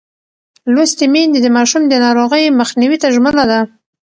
لوستې میندې د ماشوم د ناروغۍ مخنیوي ته ژمنه ده.